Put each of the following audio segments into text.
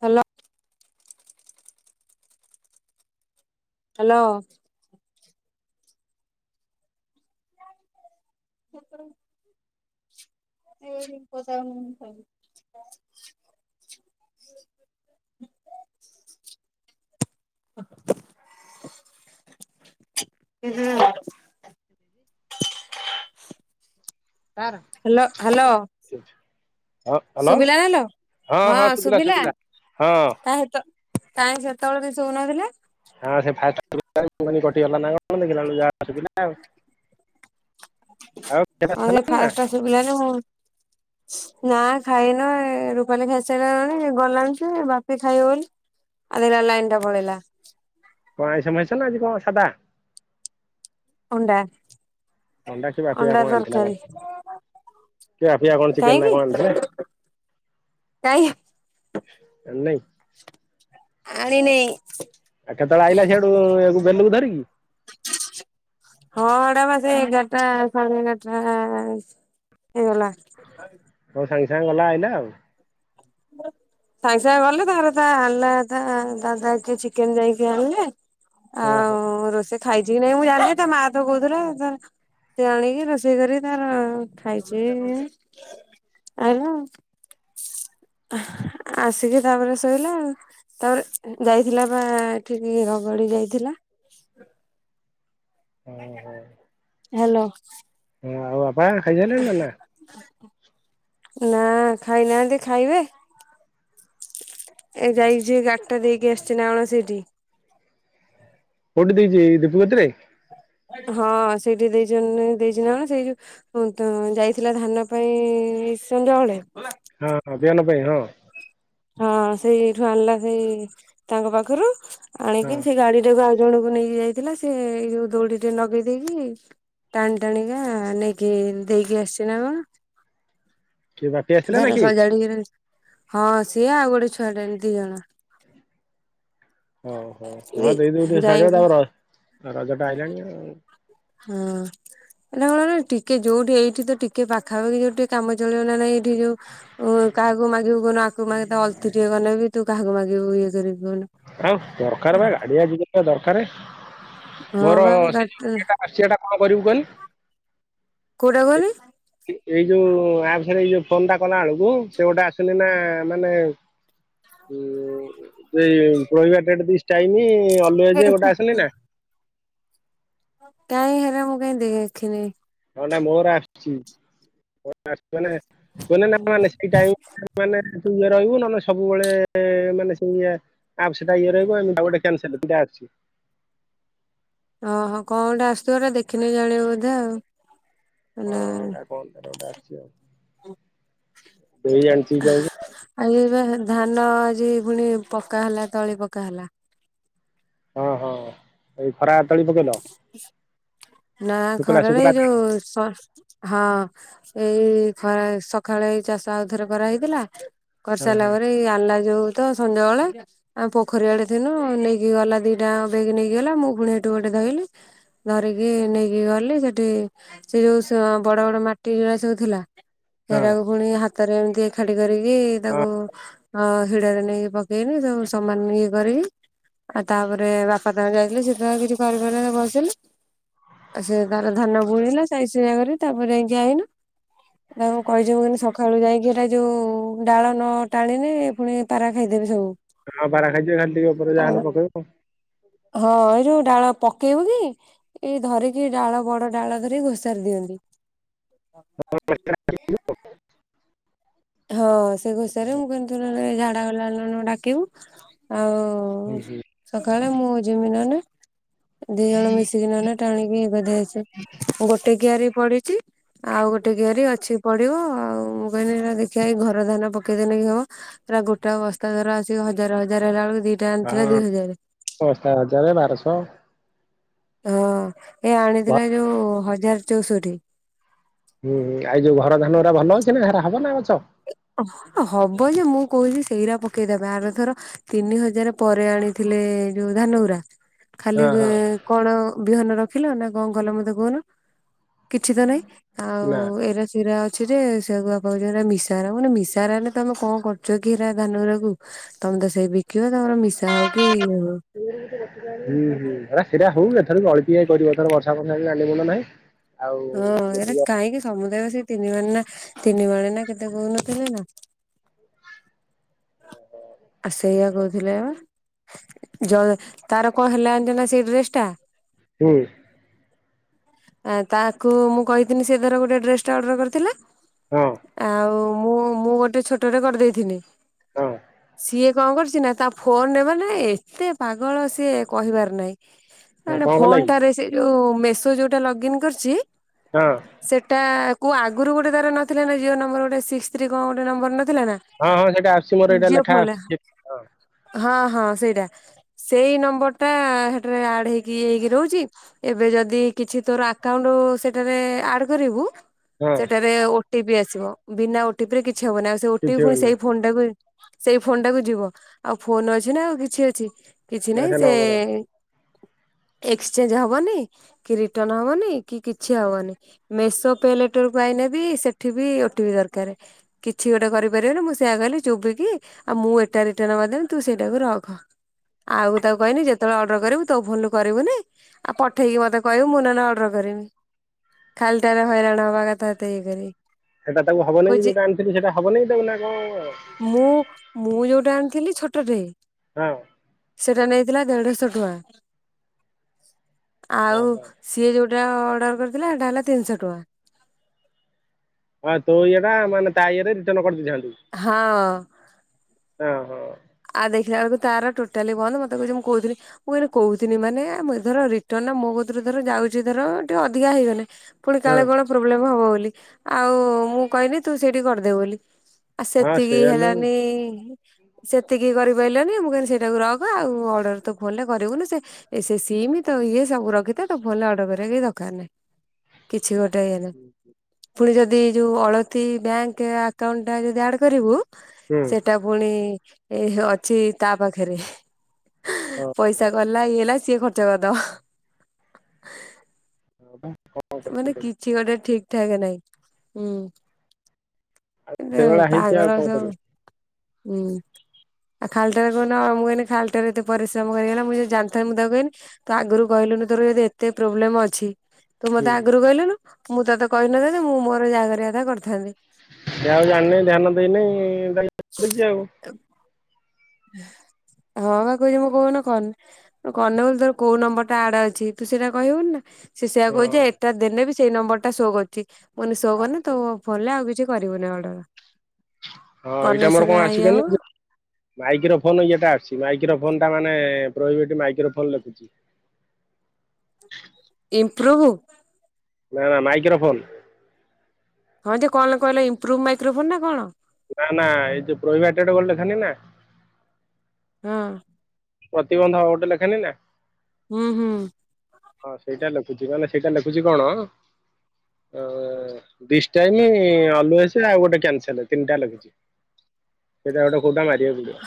Hello. Hello. [inaudible] [inaudible] [inaudible] [inaudible] ତାର hello hello ହଁ ଅନ ଶୁଭିଲା ନା ଲୋ? ହଁ ହଁ ସୁବିଲା ସୁବିଲା ହଁ। [inaudible] କାଇଂହିଁ ସେତେବେଳେ କିଛି ଶୁଭୁନଥିଲା। ହଁ ସେ କଟି ଗଲା ନା ଦେଖିଲା ବ ଯା ପିଲା ଆଉ [inaudible] ଆଉ ସେଟା ଥିଲା। ଫାଷ୍ଟା ଟା ଶୁଭିଲାନି ମୁଁ ଫା ନା ଖାଇନୁ ଏ ରୁପାଲି ଖାଇସାରିଲାଣି ଗଲାଣି ସେ ବାପି ଖାଇବ ବୋଲି। ଆଦରେ ଲାଇନ୍ ଟା ପଳେଇଲା। କଣ? ଆଇଁଷ ମାଇନଷ ନା ଆଜି କଣ ସ ସାଦା? ଅଣ୍ଡା। ଅଣ୍ଡା କି ବାପିଆ ଅଣ୍ଡା କଣ ଆଣିଥିଲା ତରକାରୀ କଣ, କି ବାପିଆ କଣ ଚିକେନ ନା କାହିଁକି କଣ ଆଣିଥିଲେ। କାଇଁ। ଆଣି ନାଇଁ। ହ, ଆଣିନେଇ କେତେବେଳେ ଆଇିଲ ସେଆଡୁ ଗେଲଉକୁ ଧରିକି କି? [inaudible] ହଁ ଏଡା ବା ସେ ଏଗାରଟା ଆ ସାଢେ ଏଗାରଟା ଆ ହେଇଗଲା। ହଁ! ସାଙ୍ଗେ ସାଙ୍ଗେ ଗଲା ଆଇଲା ଆଉ। ସା୍ଙ୍ଗେ ସା୍ଙ୍ଗ ଗଲେ ତାର ତା ଆ ଆଣା ତା ଦାଦା କିଏ ଚିକେନ ଯାଇକି ଆଣିଲେ। ଓହୋ ଆଉ ରୋଷେଇ ଖାଇଛି କି ନାଇଁ ମୁଁ ଜାଣିନି ତା ମା ତ କହୁଥିଲଥିଲା ତାର ସେ ଆଣିକି ରୋଷେଇ କରି ତାର ର ଖାଇଛି ଇ ଆଇଲା ଆଉ। [inaudible] ଆସିକି ତାପରେ ଶୋଇଲା ଆଉ। ତାପରେ ଯାଇଥିଲା ବା ଆ ଆ ଏଠିକି ରଗଡି ଯାଇଥିଲା। [inaudible] ହଁ ହଁ ହ୍ୟାଲୋ। ହଁ! ଆଉ ବାପା ଆ ଖାଇସାରି ଲେ ନି ନା ଆ? ନା ଆ ଖାଇନାହାନ୍ତି ଖାଇବେ। ଏ ଯାଇଛି ଗାଡିଟା ଦେଇକି ଆସି ନା କଣ ସେଇଠି? କଉଠି ଦେଇଛି, ଦୀପି କତିରେ! ହଁ, ସେଇଠି ଦେଇଛନି, ଦେଇଛନି ନ ସେଇ ଯଉ ହୁଁତୁ ଯାଇଥିଲା ଧାନ ପାଇଁ-ଇଁ ସନ୍ଧ୍ୟାବେଳେ ହଁଁ, ବିହନ ପାଇଁ, ହଁ ହଁ, ସେଇଠୁ ଆଣିଲା ସେଇ ତାଙ୍କ ପାଖରୁ ହଁ ଆଣିକି ସେଇ ଗାଡି ଟାକୁ ଆ ଜଣକୁ ନେଇକି ଯାଇଥିଲା। ସେ ଏଇ ଯୋଉ ଦଉଡିଟେ ନଗେଇ ଦେଇକି। ଟାଣି ଟାଣିିକା ନେଇକି ଦେଇକି ଆସସି ନା କଣ? କିଏ ବାପି ଆସିଥିଲା ନା ଧର କି ସଜାଡିକି ହଁ, ସିଏ ଆଉ ଗୋଟେ ଛୁଆଟେ ଦି ଅଣ। ଓହୋ! ହଁ ଦେଇଦଉ ଟେ ସାଢ, ଯାଇକି ଆଉ ର ରଜା ଟା ଆଇଲାଣି ଆଉ। ହଁ। ଏନା କଣ ନା ଟିକେ ଯୋଉଠି ଏଇଠି ତ ଟିକେ ପାଖାପାଖି ଯୋଉ ଟିକେ କାମ ଚଳିବ ନା, ଏଇଠି ଯୋଉ ଉଁ କାହାକୁ ମାଗିବୁ କହୁନୁ, ଆକୁ ମାଗ ଅଲଥି ଟିକେ କନେବି ତୁକାହାକୁ ମାଗିବୁ ଇଏ କରିକି ଆଉ, ଦରକାରବା ରାଡ଼ୁଆ ଆଜିକାଲି ଦରକାରେ। ହଁ ମୋର ବା ସେଯଉ ଇଏଟା ଆସିବାଟା କଁ କରିବୁ କଁନି। କୋଉଟା କୁହନି? ଏଇ ଯୋଉ ଆପସ୍ ରେ ଏଇ ଯୋଉ ଫୋନଟା କଲା ବେଳକୁ, ସେଗୋଟେ ଆସୁନିନା ମାନେ ଉଁ, ସେଇ ରହିବା ଡେଡ୍ ଦିସ୍ ଟାଇମି ଅଲୁଏଜ୍, ଗୋଟେ ଆସୁନିନା କାଇଁ, ହେରା ମୁଁ କାଇଁ ଦେଖିନି? ହଁ, ନା ମୋର ଆସୁଚି ମୋର ଆସୁଚି ମାନେ [unintelligible] ମାନେ ତୁଇଏ ରହିବୁ, ନହେଲେ ସବୁବେଳେ-ଏ ମାନେ ସେଇ ଇଏ ଆପ୍ସଟା ଇଏ ରହିବ ଆଉ ଗୋଟେ [unintelligible] ଓହୋ କଁଗୋଟେ ଆସୁଥିବ ଏଟା ଦେଖିନେ ଜାଣିବ ବୋଧେ ହଁ ଆଉ ଏ ଏଟା କଣ ଗୋଟେ ଆସିଚି ଆଉ ଦେଇ ଜାଣିଚି କଣ ଆ ଏବେ ଧାନ ଆଜି ଫୁଣି ପକା ହେଲା ତଳି ପକା ହେଲା ହଁ ହଁ [inaudible] ଏଇ ଖରା ତଳି ପକେଇଲ ନା ଶୁଖିଲା ଖରାରେ ଶୁଖିଲା ଯୋଉ ସ ହଁ। ଏଇ ଖରା ସକାଳେ ଏଇ ଚାଷ ଆଉଥରେ କରାହଇଥିଲା ହଁ କରିସାରିଲା ହଁ ପରେ ଆଣିଲା ଯୋଉ ତ ସଞ୍ଜାବେଳେ ଆମେ ପୋଖରୀ ଆଡ଼େ ଥିନୁ ନେଇକି ଗଲା ଦିଟା ବେଗ୍ ନେଇକି ଗଲା ମୁଁ ପୁଣି ହେଟୁ ଗୋଟେ ଧୋଇଲି ଧରିକି ନେଇକି ଗଲି ସେଠି ସେ ଯୋଉ ସେ ବଡ଼ ବଡ଼ ମାଟିଅରା ସବୁ ଥିଲା ହଁ ଏରାକୁ ପୁଣି ହାତରେ ଏମିତି ଏକାଠି କରିକି ହଁ ତାକୁ ହଁ ହିଡ଼ରେ ନେଇକି ପକେଇନି ତାକୁ ସମାନ ଇଏ କରି ଆଉ ତାପରେ ବା ବାପାବି ଯାଇଥିଲେ ସିଏ ତାଙ୍କର କିଛି କରିପାରିଲେନି ବସିଲେ ଆଉ ସେଏ ତାର ଧାନ ବୁଣିଲା ସାଇଜି ସୁଜାକରିକି ତାପରେ ଯାଇକି ଆଇନୁ ତାକୁ କହିଚି ମୁ କଇଁନି ସକାଳୁ ଯାଇକି ଏଇଟା ଯୋଉ ଡାଳନାଳ ଟାଣିନି ପୁଣି ପାରା ଖାଇଦେବେ ସବୁ। ହଁ ପାରା ଖାଇଦେବେ ଝାଟିଉପରେ ଯାହାହେନ ପକେଇବ। ହଁ ଏଯୋଉ ଡାଳ ପକେଇବୁକି ଏଇ ଧରିକି ଡାଳ ବଡ଼ ଡାଳ ଧରିିକି ଘୋଷାରି ଦିଅନ୍ତି। [unintelligible] ହଁ ସେ ଘୋଷରେ ମୁଁ କଇଁନି ଝାଡ଼ା ଗଲାବେଳେ ନହେନେ ଡାକିବୁ ଆଉ ହୁଁ ହୁଁ। ସକାଳେ ମୁଜିମିନହେନେ ଦି ଜଣ ମିଶିକି ନହେନେ ଟାଣିକି ଇଏକରିଦେଇକି ଆସେ ଗୋଟେ କିଆରି ପଡିଚି। ଆଉ ଗୋଟେ କିଆରି ଅଛି ପଡ଼ିବ ଆଉ ମୁଁ କହିନି ନା ଦେଖିଆ ଏଇ ଘର ଧାନ ପକେଇଦେଲେକି ହବ ପୁରା ଗୋଟା ବସ୍ତା ଧର ଆସିକି ହଜାର ହଜାର ହେଲା ବେଳକୁ ଦିଟା ଆଣିଥିଲା ଦି ହଜାରେ ଦଶ ହଜାରେ ବାରଶହ ହଁ ଏ ଘ ଆଣିଥିଲା ଏଯୋଉ ହଜାରେ ଚଉଷଠି। ହୁଁ ଆଇ ଯୋଉ ଘର ଧାନଅରା ଭଲ ଅଛିନା ହେରା ହବନା ଗଛ? ହବଯେ ମୁଁ କହୁଚି ସେଇରା ପକେଇଦବା ଆଗଥର ତିନି ହଜାରେ ପରେ ଆଣିଥିଲେ ଯୋଉ ଧାନଉରା ଖାଲି ହଁ ହଁ କଣ ବିହନ ରଖିଲନା କଁ କଲ ମତେ କୁହନ କିଛିତ ନାଇଁ ଆଉ ନା। ଏରା ସିରା ଅଛିଯେ ସେଗୁଆ ପା ମିଶି ଶାର ମାନେ ମିଶାହେରା ହେନେ ତମେ କଁ କରୁଚକି ହେରା ଧାନଅରାକୁ ତମେତ ସେଇ ବିକିବ ତମର ମିଶା ହଉକି ହୁଁ ହୁଁ ହେରା ସେରା ହଉ ଏଥର ଅଳ୍ପିଆ କରିବ ଏଥର ବର୍ଷା ବର୍ଷା ଗାଣ୍ଡି ମୁଣ୍ଡ ନାହିଁ ଆଉ ହଁ ଏଇଟା ଯେତିକି କାହିଁକି ସମୁଦାୟ ସେଇ ତିନି ମଣେ ନା ତିନି ମାଣେ ନା କେତେ କହୁନଥିଲେ ନା [inaudible] ଆ ସେଇଆ କହୁଥିଲେ ପା ଯ ତାର କଣ ହେଲା ଯାଣିଛନା ସେଇ ଡ୍ରେସ ଟା ଏ ତାକୁ ମୁଁ କହିଥିଲି ସେ ଧର ଗୋଟେ ଡ୍ରେସ ଟା ଅର୍ଡର କରିଥିଲା। ହଁ ଆଉ ମୁଁ ମୁଁ ଗୋଟେ ଛୋଟରେ କରିଦେଇଥିଲି। ହଁ। ସିଏ କଣ କରିଛି ନା ତା ଫୋନ ନେବ ନା ଏତେ ପାଗଳ ସିଏ କହିବାର ନାହିଁ। ହଁ ତାର କଣ କଲା ଫୋନ କି? ଟାରେ ସେ ଯୋଉ ମେସୋ ଯୋଉଟା ଲଗ ଇନ କରିଛି। ହଁ। ସେଟା କୋଉ ଆଗରୁ ଗୋଟେ ତାର ନଥିଲା ନା ଜି ନମ୍ବର ଗୋଟେ ସିକ୍ସ ଥ୍ରୀ କଣ ଗୋଟେ ନମ୍ବର ନଥିଲା ନା ହଁ ହଁ ସେଟା ଆସଛି ଯିଓ ଫୋନ୍ ହଁ ହଁ ସେଇଟା। ସେଇ ନମ୍ବର ଟା ସେଥିରେ ଆଡ ହେଇକି ହେଇକି ରହୁଛି। ଏବେ ଯଦି କିଛି ତୋର ଆକାଉଣ୍ଟ ସେଥିରେ ଆଡ କରିବୁ। ହଁ ସେଠାରେ ଓଟିପି ଆସିବ ବିନା ଓଟିପି ରେ କିଛି ହବ ନାହି ଆଉ ସେ ଓଟି ପି କିଛି ପୁଣି ହଉନି। ସେଇ ଫୋନ ଟାକୁ। ସେଇ ଫୋନ ଟାକୁ ଯିବ ଆଉ ଫୋନ ଅଛି ନା ଆଉ କିଛି ଅଛି କିଛି ନା ନାହିଁ ସେ ନମ୍ବର ଏକ୍ସଚେଞ୍ଜ ହବନି କି ରିଟର୍ଣ ହବନି କି କିଛି ହବନି। ମେଷ ପେ ଲେଟରକୁ ଆଇଲେ ବି ସେଠି ବି ଓଟୋପି ଦରକାର। କିଛି ଗୋଟେ କରିପାରିବନି ମୁଁ ସେୟଆ କହିଲି। ଚୋବିକି ଆଉ ମୁଁ ଏଟା ରିଟର୍ଣ କରିଦବି ତୁ ସେଇଟାକୁ ରଖ। ଆଉ ତାକୁ କହନି ଯେତେବେଳେ ଅର୍ଡର କରିବୁ ତୋ ଫୋନରୁ କରିବୁନି। ଆଉ ପଠେଇକି ମତେ କହିବୁ ମୁଁ ନହେଲେ ଅର୍ଡର କରିବି। ଖାଲିଟାରେ ହଇରାଣ ହବା କଥା ତ ଇ କରି। ସେଇଟା ତାକୁ ହବନାଇଁ ଯଉଟା ଆଣିଥିଲ ସେଟା ହବନାଇଁ ତାକୁ ନା କଣ। ମୁଁ ମୁଁ ଯୋଉଟା ଆଣିଥିଲି ଛୋଟଟେ। ହଁ ସେଟା ନେଇଥିଲା ଦେଢଶହ ଟଙ୍କା ହଁ ଆଉ। ହଁ। ସିଏ ଯେଉଁଟା ଅର୍ଡ଼ର କରିଥିଲା ସେଇଟା ହେଲା ତିନିଶହ ଟଙ୍କା। ହଁ ତୋ ଇଏଟା ମାନେ ତା ଇଏରେ ରିଟର୍ଣ କରିଦେଇଥାନ୍ତୁ। ହଁ ଓ ହୋ। ଆଉ ଦେଖିଲା ବେଳକୁ ତାର ଟୋଟାଲି ବନ୍ଦ ମତେ କହୁଛି ମୁଁ କହୁଥିଲି। ମୁଁ କହୁଥିଲିନି ମାନେ ଧର ରିଟର୍ଣ ମୋ କତିରୁ ଧର ଯାଉଛି ଧର ଟିକେ ଅଧିକା ହେଇଗଲେ। ପୁଣି ହଁ କାଳେ କଣ ପ୍ରୋବ୍ଲେମ ହବ ବୋଲି ଆଉ ମୁଁ କହଲି ତୁ ସେଇଠି କରିଦେବୁ ବୋଲି। ଆଉ ହଁ ସେତିକି ସେଇଆ ନୁହେଁ ହେଲାନି। ସେତିକି କରିପାରିଲନି ମୁଁ କହିଲି ସେଟାକୁ ରହକ ଆଉ ଅର୍ଡ଼ର ତୁ ଫୋନ୍ରରେ କରିବୁନି ସେ। ଏ ସେ ସିଇମି ତ ଇଏ ସବୁ ରଖିଥା ତ ଫୋନ୍ ରେ ଅର୍ଡ କରିବା କିଛି ଦରକାର ନାହିଁ। କିଛି ଗୋଟେ ଇଏଲା। ପୁଣି ଯଦି ଯୋଉ ଅଳତି ବ୍ୟାଙ୍କ ଆକାଉଣ୍ଟ ଟା ଯଦି ଆଡ କରିବୁ ହୁଁ ସେଟା। ପୁଣି ଏ ଅଛି ତା ପାଖରେ। ହଁ ହଁ ପଇସା କଲା ଇଏ ହେଲା ସିଏ ଖର୍ଚ୍ଚ କରିଦବ। ହଁ ବା କଣ କରିବୁ ମାନେ କିଛି ଗୋଟେ ଠିକ ଠାକ ନାହିଁ ହୁଁ। ଏଉ ସେଇଭଳିଆ ହେଇଛି ଆଉ ପାଗଳ କଣ କରିବୁ। ସବୁ ହୁଁ। ଆଉ ଖାଲିଟାରେ କଣ ମୁଁ ଏମିତି ଖାଲିଟାରେ ଏତେ ପରିଶ୍ରମ କରିବା ମୁଁ ଜାଣିଥାଥିଲ ମୁଁ କନି। ତ ଆଗରୁ କହିଲୁନି ତୋର ଏ ଏତେ ପ୍ରୋବ୍ଲେମ୍ ଅଛି। ତୁ ହୁଁ ମତେ ଆଗରୁ କହିଲୁନୁ ମୁଁ ତୋତେ କହିନଥାନ୍ତି ମୁଁ ମୋର ଯାହା କରିବା କଥା କରିଥାନ୍ତି। ସେ ଆଉ ଜାଣିନି ଧ୍ୟାନ ଦେଇନାଇ ଗାଈ [unintelligible] ଆଉ। ତ ହଁ [unintelligible] କହୁଛି ମୁଁ କହୁନ କନ୍। କନମୁଲି ତୋର କୋଉ ନମ୍ବର ଟା ଆଡ୍ ଅଛି ତୁ ସେଟା କହିବୁନି ନାଁ। ସେ ସେୟା ହଁ କହୁଚି ଏଟା ଦେଲେ ବି ସେଇ ନମ୍ବର ଟା ସୋ କରୁଚି ମୁଁ କହିଲି ସୋ କନେ ତୋ ଫଲେ ଆଉ କିଛି କରିବୁନି ଅର୍ଡର। ହଁ କଲେ ଏଇଟା ଆମର ସିନା କଣ ଆସି ଇଏ ବନି ହବ। ମାଇକ୍ରୋ ଫୋନ୍ ଇଏଟା ଆସଛି ମାଇକ୍ରୋ ଫୋନ୍ ଟା ମାନେ ରହିବ ଏଠି ମାଇକ୍ରୋ ଫୋନ୍ ଲେଖୁଛି। ଇମ୍ପୁରୁବୁ। ନାଁ ନାଁ ମାଇକ୍ରୋଫୋନ୍। ହଁ ଯେ କଣ କହିଲ ଇମ୍ପୁରୁବୁ ମାଇକ୍ରୋ ଫୋନ୍ ନାଁ କଣ? ନାଁ ନାଁ ଏଇ ଯୋଉ ପ୍ରହିବାଟେଟେ ବଲ୍ ଦେଖେନି ନାଁ ହଁ। ପ୍ରତିବନ୍ଧ ଗୋଟେ ଲେଖେ ନି ନାଁ। ହୁଁ ହୁଁ। ହଁ ସେଇଟା ଲେଖୁଚି ମାନେ ସେଇଟା ଲେଖୁଚି କଣ। ଦିଶଟା ଟାଇମି ଅଲୁଏଜ୍ ଆଉ ଗୋଟେ କ୍ୟାନସେଲ୍ ତିନିଟା ଲାଗୁଛି। ସେଟା କୋଉଟା ଗୋଟେ ମାରିବାକୁ ପଡିବ।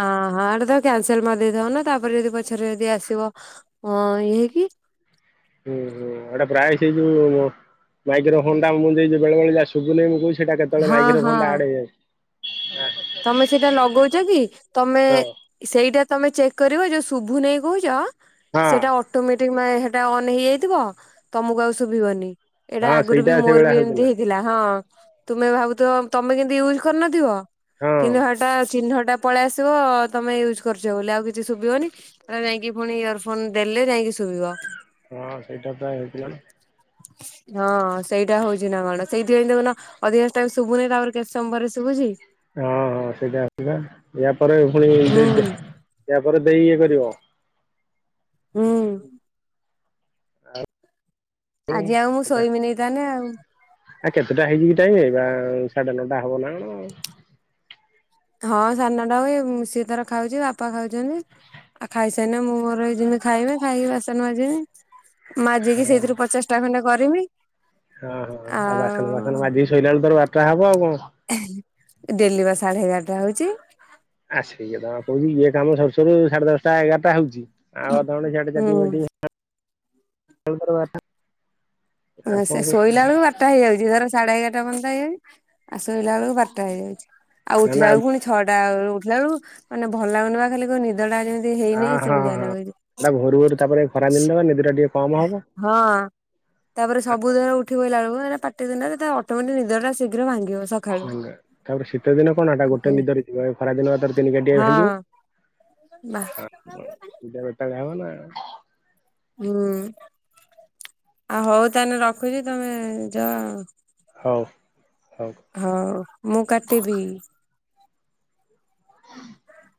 ହଁ ହଁ ଏଟା ତ କ୍ୟାନସେଲ୍ ମାରିଦେଇଥାଉନୁ ତାପରେ ଯଦି ପଛରେ ଯଦି ଆସିବ ଇଏ ହେଇକି। ହୁଁ ହୁଁ ଏଟା ପ୍ରାୟେ ସେଇ ଯୋଉ ମାଇକ୍ରୋଫୋନ୍ ଟା ମୁଁ ଦେଇଚି ବେଳେ ବେଳେ ଯାହା ଶୁଭୁନି ମୁଁ କହୁଛି। ସେଇଟା କେତେଳେ ହଁ ମାଇକ୍ରୋ ଫୋନ୍ ଟା ହଁ। ଆଡ୍ ହେଇଯାଉଛି। ତମେ ସେଇଟା ଲଗଉଚ କି ତମେ ହଁ ସେଇଟା ତମେ ଚେକ୍ କରିବ ଯୋଉ ଶୁଭୁ ନେହି କହୁଚ ହଁ ସେଇଟା ଅ ଅଟୋମେଟିକ୍ ହେଟା ଅନ୍ ହେଇଯାଇଥିବ ତମକୁ ଆଉ ଶୁଭିବନି। ଏଇଟା ହଁ ଆଗରୁ ସେଇଟା ବି ମୋର ସେଇଭଳିଆ ବି ହଉଛି ଏମିତି ନା ହେଇଥିଲା ହଁ ତୁମେ ଭାବୁଥିବ ତମେ କେମତି ୟୁଜ୍ କରିନଥିବ। ହଁ କିନ୍ତୁ ହେଟା ଚିହ୍ନଟା ପଳେଇ ଆସିବ ତମେ ୟୁଜ୍ କରିଚ ବୋଲି ଆଉ କିଛି ଶୁଭିବନି। ହେରା ଯାଇକି ପୁଣି ଇୟରଫୋନ୍ ଦେଲେ ଯାଇକି ଶୁଭିବ। ହଁ ସେଇଟା ତ ହେଇଥିଲା ନାଁ। [unintelligible] ହଁ ସେଇଟା ହଉଚି ନାଁ କଣ ସେଇଥିପାଇଁ ଦେଖୁନ ଅଧିକାଂଶ ଟାଇମ୍ ଶୁଭୁନି ତାପରେ କେତେ ସମୟ ପରେ ଶୁଭୁଚି। ହଁ ହଁ ସେଇଟା ହେଉଚିପା ୟା ପରେ ପୁଣି ହୁଁ ଦେଇ ଆ ପରେ ଦେଇ ଇଏ କରିବ। ହୁଁ। ଆଜି ଆଉ ମୁଁ ଶୋଇମିନି ତାହେଲେ ଆଉ। ଆ କେତେଟା ହେଇଚିକି ଟାଇମି ଏଇବା ସାଢେ ନଅଟା ହବ ନାଁ କଣ। ହଁ ସାଢେ ନଟା ହୁଏ ସିଏ ତାର ଖାଉଚି ବାପା ଖାଉଚନ୍ତି। ଆଉ ଖାଇସାଇନେ ମୁଁ ମୋର ଏଇ ଯିମି ଖାଇମି ଖାଇକି ବାସନ ମାଜିବି। ମାଜିକି ହଁ ସେଇଥିରୁ ପଚାଶ ଟା ଖଣ୍ଟେ କରିବି। ହଁ ହଁ ଆଉ ବାସନ ଫାସନ ମାଜିକି ଶୋଇଲାବେଳକୁ ତୋର ବାଟା ହବ ଆଉ କଣ। ଡେଲି ବା ସାଢେ ଏଗାରଟା ହଉଚି। ଆ ସେଇକଥା ପା କହୁଚି ଇଏ କାମ ସରୁ ସରୁ ସାଢେ ଦଶଟା ଏଗାରଟା ହଉଚି। ଆଉ ଅଧଘଣ୍ଟେ ହୁଁ [unintelligible] ଆଉ ହଁ କଣ ସେ କହୁଛୁ ଶୋଇଲା ବେଳକୁ ବା ବାରଟା ହେଇଯାଉଛି ଧର ସାଢେ ଏଗାରଟାର୍ଯ୍ୟନ୍ତ ହେଇଯାଉ ଆଉ ଶୋଇଲା ବେଳକୁ ବାରଟା ହେଇଯାଉଛି ଆଉ ନା ଉଠିଲା ନା ବେଳକୁ ପୁଣି ଛଅଟା ବେଳେ ଉଠିଲା ବେଳକୁ ମାନେ ଭଲ ଲଗୁନିବା ଖାଲି କଉ ନିଦ ଟା ଯେମିତି ହେଇନିଁ ସେମିତିଆ ଲାଗୁଛି। ଏଇଟା ଭୋରୁ ଭୋରୁ ତାପରେ ଖରାଦିନଟା ବା ନିଦ ଟିକେ କମ ହବ। ହଁ। ତାପରେ ସବୁଧର ଉଠିପଇଲା ବେଳକୁ ଏଇଟା ପାଟି ଦିନଟା ସେଥିପାଇଁ ଅଟୋମେଟିକ ନିଦଟା ଶୀଘ୍ର ଭାଙ୍ଗିିବସ ହେଲା ତାପରେ ଶୀତ ଦିନ କଣ ଏଟା ଗୋଟେ ନିଦରେ ଯିବ ଏ ଖରା ଦିନ ତିନି କାଟିଆ ହଁ ଭାଙ୍ଗିବ। [unintelligible] ଆଁ ପୂଜା ବେଟା ଖାଇବନା। ହୁଁ ଆଉ ହଉ ତାହେଲେ ରଖୁଛି ତମେ ଯ ହଉ ହଉ। ହଉ ମୁଁ କାଟିବି। [unintelligible]